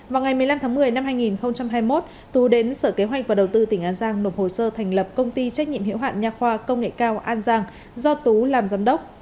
vào ngày một mươi năm tháng một mươi năm hai nghìn hai mươi một tú đến sở kế hoạch và đầu tư tỉnh an giang nộp hồ sơ thành lập công ty trách nhiệm hiệu hạn nha khoa công nghệ cao an giang do tú làm giám đốc